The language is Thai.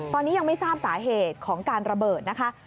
ตอนนี้ยังไม่ทราบสาเหตุของการระเบิดนะคะ